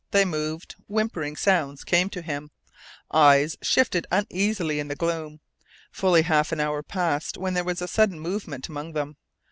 They moved; whimpering sounds came to him; eyes shifted uneasily in the gloom. Fully half an hour had passed when there was a sudden movement among them.